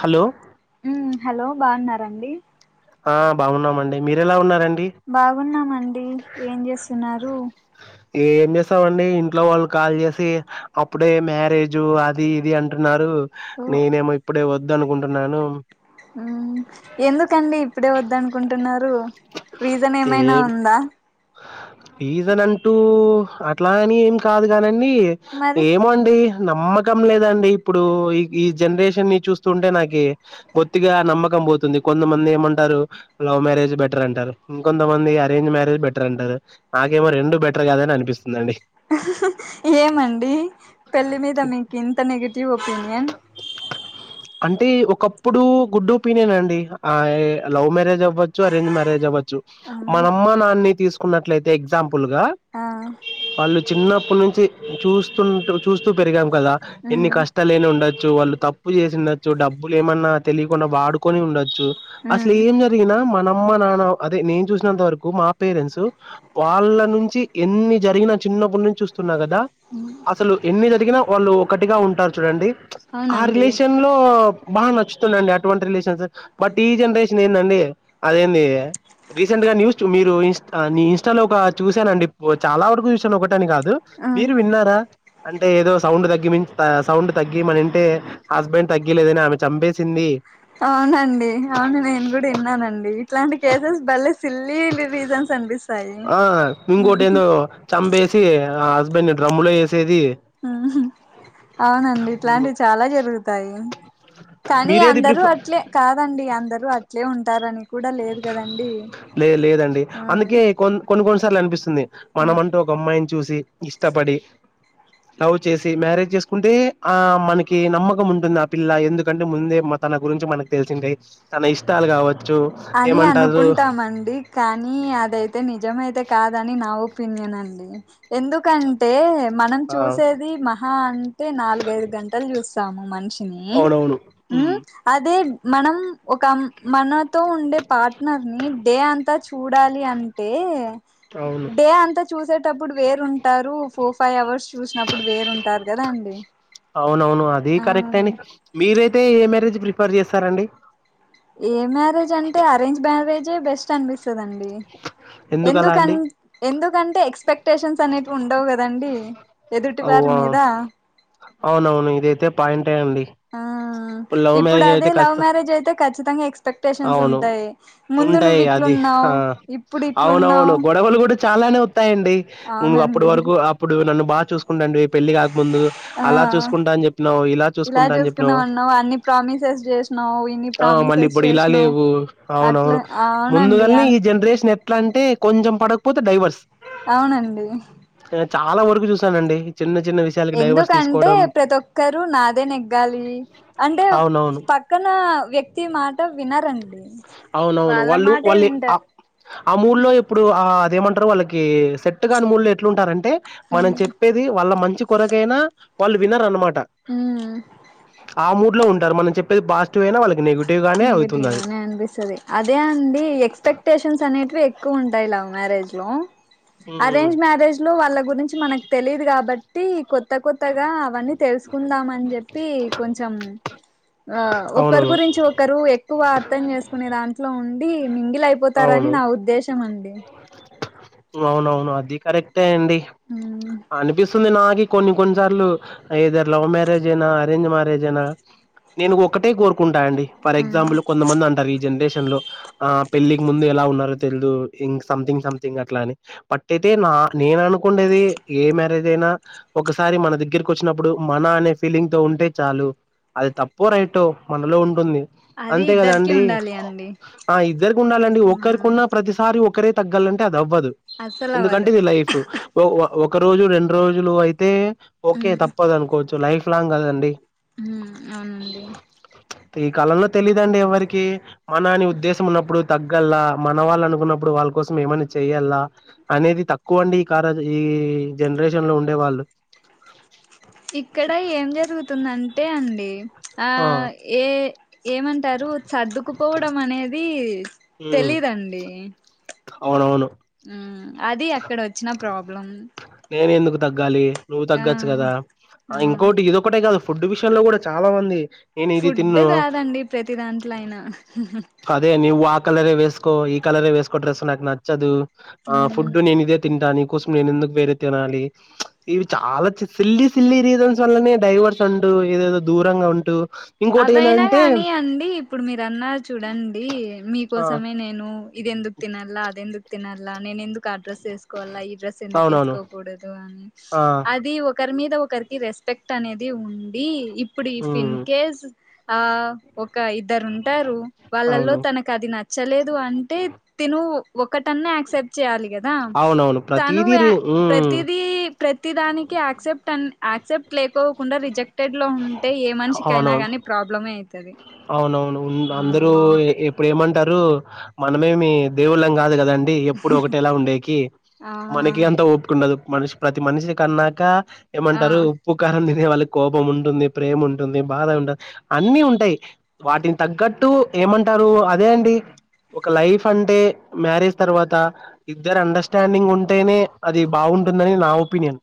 Hello hmm hello బాగున్నార అండి ఆ బావున్నామండి మీరెలా ఉన్నారం బాగున్నాము ఆన్ అండి ఏం చేస్తున్నారు ఏం చేస్తామండి ఇంట్లో వాళ్ళు కాల్ చేసి అప్పుడే మ్యారేజు అది ఇది అంటున్నారు. ఓ నేనేమో ఇప్పుడే వద్ ద్దనుకుంటున్నాను ఆ ఎందుకండి ఇప్పుడే వద్దు అనుకుంటున్నారు రీజన్ ఏమైనా ఏం ఉంద రీజన్ అంటూ అట్లా అని ఏం కాదు కానన్ నీ మరి ఏమో అండి నమ్మకం లేదండి ఇప్పుడు ఈ ఈ జనరేషన్ ని చూస్తుంటే నాకు బొత్తిగా నమ్మకం పోతుంది కొంతమంది ఏమంటారు లవ్ మ్యారేజ్ బె ట్రంటారు ఇంకొంత మంది అరేంజ్ మ్యారేజ్ బెట్రంటారు నాకేమో రెండు బెట్రకాదని అనిపిస్ ఏమండి పెళ్ళి మీద మీకు ఇంత నెగటివ్ ఒపీనియన్ అంటే ఒకప్పుడు గుడ్ ఒపీనియన్ అండి ఆ లవ్ మ్యారేజ్ అవ్వచ్చు అరేంజ్ మ్యారె రేజ్ అవ్వచ్చు అవునా మనమ్మ నాన్నని తీసుకున్నట్లయితే ఎగ్జాంపుల్గా ఆ వాళ్ళు చిన్నప్పు నుంచి చూస్తున్ చూస్తూ పెరిగాం కదా ఎన్ని మ్మ్ కష్టాలని ఉండొచ్చు వాళ్ళు తప్పు చేసిండొచ్చు డబ్బులు ఏమన్నా తెలియకుండా వాడుకొని ఉండొచ్చు అసలు మ్మ్ ఏం జరిగినా మనమ్మ నా నావ్ అదే నేను చూసినంత వరకు మా పేరెంట్స్ వాళ్ళ నుంచి ఎన్ని జరిగినా చిన్నప్పుటి నుంచి చూస్తున్నా కదా అసలు ఎన్ని జరిగినా వాళ్ళు ఒకటిగా ఉంటారు చూడండి ఆ అవునండి రిలేషన్ లో బా నచ్చుతుందండి అటువంటి రిలేషన్స్ బట్ ఈ జనరేషన్ ఏందండి అదేంది రీసెంట్ గా న్యూస్ చూ మీరు ఇన్స్ నీ ఇంస్టాలో ఒక చూశానండి ఇ చాలా వరకు చూసాను ఒకటని కాదు మ్మ్ మీరు విన్నారా అంటే ఏదో సౌండ్ తగ్గి మిన్ సౌండ్ తగ్గి మనింటే హస్బెండ్ తగ్గిలేదని ఆమె చంపేసింది ఆ ఇట్లాంటి కేసెస్ భలే చిల్లి లీరీజాన్స్ అనిపిస్తాయి ఆ ఆ ఇంకోటి ఏందో చంపేసి ఆ హస్బెండ్ ని డ్రమ్ము లో ఏసేది ఉహు అవునండి ఇట్లాంటివి చాలా జరుగుతాయి కానీ మీరేది అందరూ ప్రిఫర్ అట్లే కాదండి అందరు ద్రు అట్లే ఉంటారని కూడా లేదు కదండి లేదు లేదండి ఆ అందుకే కొన్ కోన్ కొన్ సా [unintelligible] అనిపిస్తుంది ఆ మనమంటూ ఒక అమ్మాయిని చూసి ఇష్టపడి లవ్ చేసి, మ్యారేజ్ చేసుకుంటే, ఆ మనకి నమ్మకం ఉంటుంది. ఆ పిల్ల ఎందుకంటే ముందే మన తన గురించి మనక్ తెలిసింటయ్ తన ఇష్టాలు కావచ్చు, అని ఏమంటారు అనుకుంటామండి కానీ అదైతే నిజమైతే కాదని నా ఒప్పీ ఒపీనియన్ అండి ఎందుకంటే మనం ఆ చూసేది మహా అ అంటే నాలుగైదు గంటలు చూస్తాము మనిషిని అవునవును ఉమ్ హ్మ్ అదే మనం ఒక మనొప్ ఉండే పార్ట్నర్ ని డే అంతా చూడాలి అంటే అవును డే అంత చూసట్ టప్పుడు వేరుంటారు ఫోర్ ఫైవ్ అవర్స్ చూసినప్పుడు వేరుంటారు కదా అండి అవునవును అది ఆ పర్ చేస్తారండి ఏ మ్యారేజ్ అంటే అరేంజ్ మ్యారేజ్ జే బెస్ట్ అనిపిస్ స్తదండి ఎందుకు అలా ఎందుకన్ అండి ఎందుకంటే ఎక్స్పెక్టేషన్స్ అనేటివి ఉండవు కదండి ఎదుటి అ వారి మీద టే అండి ఆ లవ్ ఇప్పుడు మ్యారేజ్ అదే అయితే లవ్ కష్టం మ్యారేజ్ అయితే క కచ్చితంగా ఇ ఎక్స్పెక్టేషన్స్ అవును ఉంటాయి ముందు ఉంటాయి నువ్వు అది ఆ ఇట్లున్నావ్ ఇప్పుడు ఇట్లున్నావ్ చాలన ఉంటాయిఅండి అప్పటి వరకు అప్పుడు నన్ను బచుకో చకుండి పెళ్లి కాకముందు ఆ అలా చూసుకుంటా అని చెప్పినావు ఇలా చూసుకుంటా అని చూసుకున్నాం చెప్పినావు అన్నావు అన్ని ప్రామిసెస్ చేసినావు ఇన్ని ఆ మళ్ళీ ప్రామిసెస్ ఇప్పుడు ఇలా చేసినావు లేవు అట్లా అవునవును అవునండి ముందుగాల్ని అన్ ఈ జనరేషన్ ఎ ఎట్లా అంటే కొంచెం పడకపోతే డైవర్స్ అవునండి నేను చాలా వరకు చూసానండి చిన్న చిన్న విషయాలకి డైవర్స్ ఎందుకంటే తీసుకోవడం. ప్రతి ఒక్కరు నాదే నెగ్గాలి అంటే అవునవును. పక్కన వ్యక్తి మాట వినరండి అవునవును. వాళ్ళ వాళ్ళు మాటే వాళ్ళే వింట ఆ మూడ్‌లో ఇప్పుడు ఆ అదేమంటారు వాళ్ళకి సెట్ కాని మూళ్లు ఎట్లు ఉంటారంటే మనం చెప్పేది వాళ్ళ మంచి కొరగేనా పల్ వినర్ రన్ మ హమ్ లోంట మనం చెప్పే పాజిటివ్యినా వాళ్కి నెగిటివ నెగటివ్నే అనిపిస్తుది అదే అండి ఎక్స్పెక్టేషన్స్ అనేవి ఎకు ఉంటా లావ్ మేరేజ్ లో ఉమ్ అరేంజ్ మ్యారేజ్ లో వాళ్ళ గురించి మనకు తెలిదు కాబట్టి టి కొత్త కొత్తగా అవన్నీ తెలుసుకుందాంని చెప్పి కొంచెం ఆ ఒకరి అవునవును గురించి ఒకరు ఎక్కువ అర్థం చేసుకునే దాంట్లో ఉ తీ మింగిలి అయిపోతారని అవును నా ఉద్దేశం అండి అవునవును అధికార అంతే అండి అనిపిస్తుంది నాకు కొన్ని కొన్నిసార్లు ఏద లవ్ మ్యారేజ్ అనా అరేంజ్ మ్యారేజ్ అనా నేను ఒకక్కటే కోరుకుంటా అండి ఫార్ర్ ఆ ఎక్సాపుల్ కొంతమంది అండర్ రీజె లో ఆ పెళ్ళికి ముందు ఎలా ఉన్నారో తెలిదు ఇం సంథింగ్ సంథింగ్ అట్లా అని బట్యితే నా నేన అనుకుండేది ఏ మ్యారేజ్ అయినా ఒకసారి మన దగ్గరకి వచ్చినప్పుడు మన అనే ఫీలింగ్ తో ఉంటే చాలు అది తప్ప రైట్ మనలో ఉంటుంది అది అంతే ఇద్దరికి కదండి ఉండాలి అండి ఆ ఇద్దరికి ఉండాలండి ఆ ఒక్కరికిన్న ప్రతిసాారి ఒకరే తగాలి అంటే అ వ్వదు అస్సలు ఎ అవ్వదు కంటది లైఫ్ ఒక రోజు రెండు రోజులు అయితే ఓకే ఉమ్ తప్పదు అనుకోవచ్చు లైఫ్ లాంగ్ కాదండి. ఉమ్ అవునండి ఈ కాలంలో తెలిదండి ఎవరికి మన అని ఉద్దేశం ఉన్న ప్పుడు తగ్గలా, మన వాళ్ళు అనుకున్నప్పుడు వాళ్ళ కోసం ఏమన్నా చెయల్లా అనేది తక్కువ అండి ఈ కార ఈ జనరేషన్ లో ఉండే వాళ్ళు. ఇక్కడ ఏం జరుగుతుందంటే అండి. ఆ ఏ ఏమంటారు సర్దుకుపోవడం అనేది ఉమ్ తెలిదండి. అవునవును. ఉమ్ అది అక్కడ వచ్చిన ప్రాబ్లం. నేనే ఎందుకు తగ్గాలి, నువ్వు ఆ తగ్గచ్చు కదా ఆ ఇంకోటి ఇది ఒకటే కాదు, ఫుడ్ విషయంలో కూడా చాలా మంది నేను ఇది ఫుడ్ తిన్ను కాదండి ప్రతి దాంట్లో అయినా అదే నువ్వు ఆ కలరే వేసుకో ఈ కలరే వేసుకో డ్రెస్ నాకు నచ్చదు. ఆ మ్మ్ ఫుడ్ నేను ఇదే తింటా అని కోసం నేందుకు వేరే తినాలి ఇవి చాలా సిల్లీ సిల్లీ రీజన్స్ వల్లనే డైవర్స్ అంటూ ఏదేదో దూరంగా ఉంటు అవైనా కాని అండి ఇప్పుడు మీరున్నారు చూడండి ఆ మీకోసమే నేను ఇదెందుకు తినాలా అదెందుకు తినా ల నేను ఎందు అడ్రెస్ వేసుకోవాలా ఈ డ్రెస్ ఎందుకు అవునవును వేసుకోకూడదు అని ఆ అది ఒక ఒకరి మీద ఒకరికి రెస్పెక్ట్ అనేది ఉండి ఇప్పుడు ఇఫిన్ ఉమ్ ఆ ఒ క ఇద్దరు ఉంటారు వాళ్ళలో అవును తనకు అది నచ్చలేదు అంటే తిను ఒకటన్నా యాక్సెప్ట్ చేయాలి కదా అవునవును తను ప్రతిదీ యా రి ఉమ్ ప్రతిదీ ప్రతి దానికి యాక్సెప్ట్ అని యాక్సెప్ట్ లేకోకుండా రిజెక్టెడ్ లో ఉంటే ఏమ కైనా అవునవును కానీ ప్రాబ్లమే అయి అవునవును అందరూ ఇప్పుడు ఏమం టరు మనమేమి దేవుళ్ళం కాదు క దండి ఎప్పుడు ఒకటేలా ఉండేకి ఆ మనకి అంతా ఓపిక ఉండదు. మనిషి ప్రతి మనిషి కన్నాక ఆ ఏమంటారు ఉప్పు కారం తిన్ దే వాళ్ళకి కోపం ఉంటుంది ప్రేమ ఉంటుంది బాధ ఉండ అన్ని ఉంటాయి వాటిని తగ్గట్టు ఏమంటారు అదే అండి ఒక లైఫ్ అంటే మ్యారేజ్ తర్వాత ఇద్దరు అండర్స్టాండింగ్ ఉంటేనే అది బాగుంటుందని నా ఒపీనియన్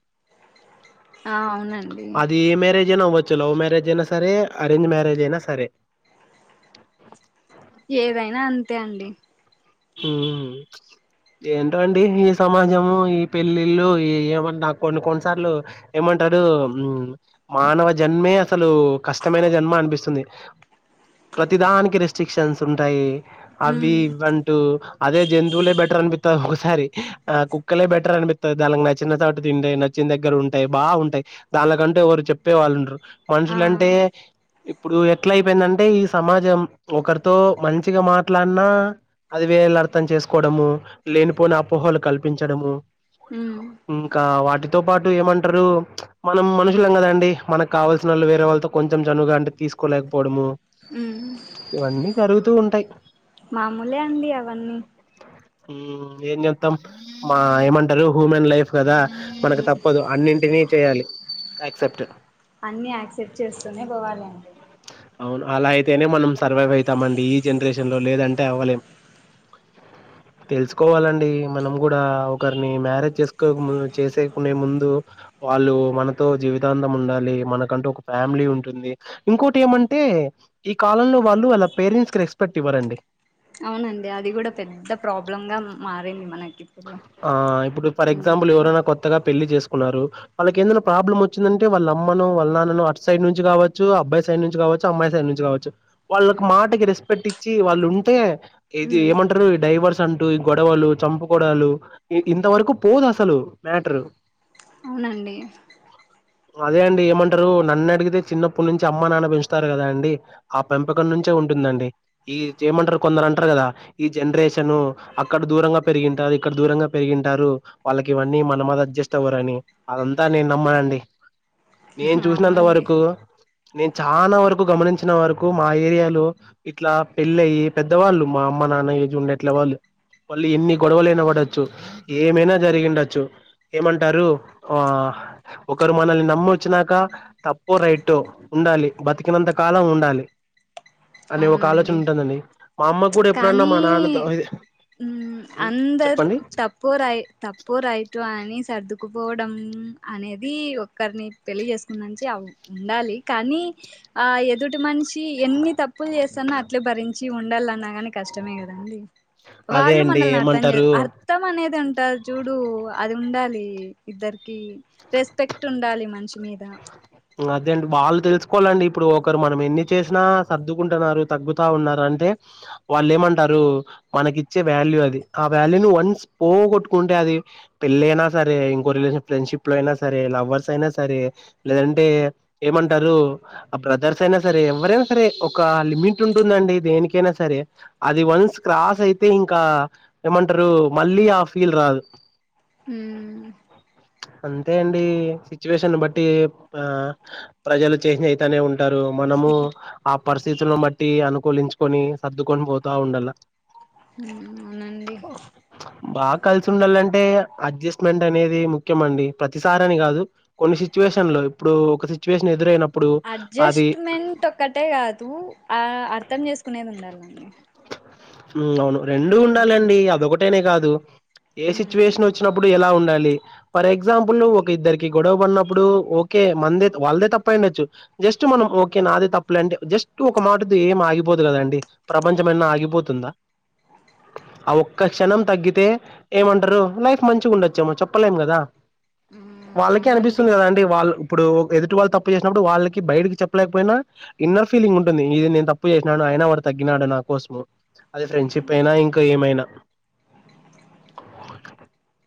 ఆ అవునండి అది ఏ మేరే ఎనవ్వచ్చు లవ్ మ్యారేజ్ అయినా సరే అరేంజ్ మ్యారేజ్ అయినా సరే ఏదైనా అంతే అండి మ్మ్ ఏంటో అండి ఈ సమాజము ఈ పెళ్ళిళ్ళు ఈ ఏమన్న కొన్ని కొన్ని సార్లు ఏమంటారు మానవ జన్మే అసలు కష్టమైన జన్మ అనిపిస్తుంది ప్రతి దానికి రెస్ట్రిక్షన్స్ ఉంటాయ్ అవి ఉమ్ ఇవన్ అదే జంతువులే బెటర్ అని పిత్తది హోసారి. ఆ కుక్కలే బెటర్ అనిపిత్తది దాల్లకి నచ్చిన సాటు తింటయ్ నచ్చిన్ దగ్గర ఉంటయ్ బాగుంటయి, దాన్లకంటూ ఎవరు చెప్పే వాళ్ళు ఉండ్రు. ఆ మనుషులంటే ఇప్ ఇప్పుడు ఎట్లా అయిపోయిందంటే ఈ సమాజం ఒకరితో మంచిగా మాట్లాడ్నా అది వేరేళ అర్థం చేసుకోవడము లేనిపోని అపోహలు కల్పించడము ఉమ్ ఇంకా వాటి తో పాటు ఏమంటరు ప్చ్ మనం మనుషులం కదండి మనకు కావల్సిన వాళ్ళు వేరే వాళ్ళతో కొంచెం చనువుగా అంటే తీసుకోలేకపోవడము. ఉమ్ ఇవన్నీ జరుగుతూవుంటాయ్ వన్ని హుం ఏం చేత్తం మా ఏమంటరు హ్యూమెన్ లైఫ్ కదా మనకు మ్మ్ తప్పదు అన్నింటినీ చేయాలి యాక్సెప్ట్ అన్ని యాక్సెప్ట్ చేస్తూనే పోవాలండి. అవును అలా అయితేనే మనం సర్వైవ్ అవుతామండి ఈ జనరేషన్ లో లేదంటే అవ్వలేం తెలుసుకోవాలండి మనం గూడా ఒకరిని మ్యారేజ్ చేసుకోక ము చేసేకునే ముందు వాళ్ళు మనతో జీవితాంతం ఉండాలి మనకంటూ ఒక ఫ్యామిలీ ఉంటుంది. ఇంకోటి ఏమంటే ఈ కాలంలో వాళ్ళు వాళ్ళ పేరెంట్స్ కి రెస్పెక్ట్ ఇవ్వరండి. అవునండి అది కూడా పెద్ద ప్రాబ్లమ్ గా మారింది మనకి ఇప్పుడు ఆ ఇప్పుడు ఫర్ ఎగ్జాంపుల్ ఉమ్ ఎవరైనా కొత్తగా పెళ్లి చేసుకుం న్నారు వాళ్ళకి ఏందైనా ప్రాబ్లం వచ్చిందంటే వాళ్ళ అమ్మ లు వాళ్ళ నాన్నలు అటు సైడ్ నుంచి కావచ్చు, అబ్బాయి సైడ్ నుంచి కావచ్చు, అమ్మాయి సైడ్ నుంచి కావచ్చు, వాళ్ళకి మాటకి రెస్పెక్ట్ ఇచ్చి వాళ్ళు ఉంటే, ఇది ఏమంటురు డైవర్స్ అంటూ ఈ గొడవలు చంపు కోడాలు ఇంతవరకు పోదు అసలు మ్యాట్రు అవునండి అదే అండి ఏమంటరు నన్ను అడిగితే చిన్నప్పుడు నుంచి అమ్మ నాన్న పెంచుతారు కదా అండి, ఆ పెంపకం నుంచే ఉంటుందండి. ఈ చేయమంటరు కొందరు అం టర్ కదా ఈ జనరేషన్ అక్కడ దూరంగా పెరిగింటారు ఇక్కడ దూరంగా పెరిగింటారు వాళ్ళకి ఇవన్నీ మన మాదడ్జస్ట్ అవ్వరని అదంతా నేను నమ్మనండి నేను చూసినంత అవునండి వరకు నేను చాలా వరకు గమనించిన వరకు మా ఏరియాలో ఇట్లా పెళ్ళయ్య పెద్దవాళ్ళు మా అమ్మ నాన్నయ ఏచుండేట్ల వాళ్ళు వాళ్ళు ఎన్ని గొడవ లేనవడొచ్చు ఏమైనా జరిగిండొచ్చు ఏమంటారు ఆ ఒకరు మనల్ని నమ్మొచ్చినాక తప్ప రైట్ ఓ ఉండాలి బతికినంత కాలం ఉండాలి అని ఒక ఆలోచన అవునండి ఉంటుందండి మా అమ్మ కూడా ఎప్పుడన్నా మా నాన్నతో అందరు చెప్పండి తప్పోరయి తప్పోరయి టో కాని సర్దుకుపోవడం అనేది ఒకరిని పెళ్లి చేేసుకున్నంచి ఉండాలి కానీ ఆ ఎదుటి మనిషి ఎన్ని తప్పు అప్పులు చేస్తాన్న అట్లే భరించి ఉండాలన్న కానీ కష్టమే కదండి అదే వాళ్ళు అండి మనల్ని అర్థం చే ఏమంటారు అర్థం అనేది ఉంట అంట చూడు అది ఉండాలి ఇద్దరికి రెస్పెక్ట్ ఉండాలి మషి మీద అదే అండి వాళ్ళు తెలుసుకోవాలండి ఇప్పుడు ఒకరు మనం ఎన్ని చేసినా సర్దుకుంటున్నారు తగ్గుతా ఉన్నారు అంటే వాళ్ళు ఏమంటారు మనకి ఇచ్చే వాల్యూ అది ఆ వ్యాల్యూని వన్స్ పోగొట్టుకుంటే అది పెళ్ళి అయినా సరే ఇంకో రిలేషన్ ఫ్రెండ్షిప్ లో అయినా సరే లవ్వర్స్ అయినా సరే లేదంటే ఏమంటారు ఆ బ్రదర్స్ అయినా సరే ఎవరైనా సరే ఒక లిమిట్ ఉంటుందండి దేనికైనా సరే అది వన్స్ క్రాస్ అయితే ఇంకా ఏమంటారు మళ్ళీ ఆ ఫీల్ రాదు హ అంతే అండి సిచ్యువేషన్ బట్టి ఆ ప్రజలు చేసి అయితనే ఉంట అంటారు మనము పరిస్థితులను బట్టి అనుకూలించుకొని సర్దుకొని పోతా ఉండాల అవునండి బాగా కలిసి ఉండాలంటే అడ్జస్ట్మెంట్ అనేది ముఖ్యమండి ప్రతిసార్ అని కాదు కొన్ని సిచ్యువేషన్ లు ఇప్పుడు ఒక సిచ్యువేషన్ ఎదురైన అడ్జస్ట్మెంట్ ఒక్కటే కాదు ఆ అర్థం చేసుకునేది ఉండాలి అండి ఉ అవును రెండూ ఉండాలండి అదొకటి అంటేనే కాదు ఏ సిచ్యువేషన్ వచ్చినప్పుడు ఎలా ఉండాలి ఫర్ ఎగ్జాంపుల్ ఒక ఇద్దరికి గొడవ పడిప్పుడు ఓకే మే వాళ్ళదే తప్పుండచ్చు జస్ట్ మనం ఓకే నాదే తప్పుంటే జస్ట్ ఒక మాట ఏం ఆగిపోదు కదండి ప్రపం పంచమన్న ఆగిపోతుందా ఆ ఒక్క క్షణం తగ్గితే ఏమంటారు లైఫ్ మంచిగా ఉండొచ్చేమో చెప్పలేం కదా మ్మ్ వాళ్ళకే అవునండి అనిపిస్తుంది కదా అండి వాళ్ళు ఇప్పుడు ఎదుటి వాళ్ళు తప్పు చేసినప్పుడు వాళ్ళకి బయటకి చెప్పలేకపోయినా ఇన్నర్ ఫీలింగ్ ఉంటుంది ఇదిే తప్పు చేసినను అయనా వా తగ్గి తిగినడు నా కోసము అదే ఫ్రెండ్షిప్ అయినా ఇంకా ఏమైనా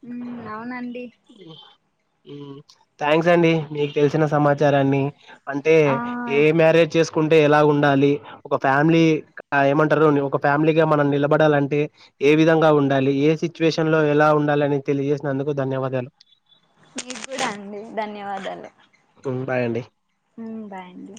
ఉ అవునండి అ థ్యాంక్స్ అండి మీకు తెలిసిన సమాచారాన్ని అంటే ఆ ఏ మ్యారేజ్ చేసుకు కుంటే ఎలా ఉండాలి ఒక ఫ్యామిలీ ఏమంటారు ఒక ఫ్యామిలీగా మనం నిలబడాలంటే ఏ విధంగా ఉండాలి ఏ సిచ్యువేషన్ లో ఎలా ఉండాలి అని తెలియజేసినందుకు ధన్యవాదాలు జనా మీకు కూడా అండి ధన్యవాదాలు హ్మ్. బాయ్ అండి మ్మ్ బాయండి